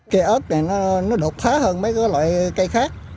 cây ớt này nó đột phá hơn mấy loại cây khác